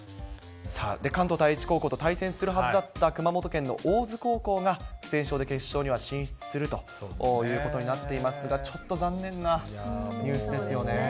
関東第一高校と対戦するはずだった、熊本県の大津高校が、不戦勝で決勝には進出するということにはなっていますが、ちょっと残念なニュースですよね。